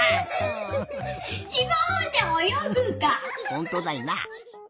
ほんとだいな。